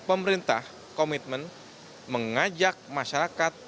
pemerintah komitmen mengajak masyarakat